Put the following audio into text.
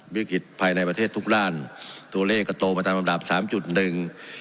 วิวคิดภายในประเทศทุกร่านตัวเลขก็โตมาตามประมาณ๓๑๓๔๔๑๔๒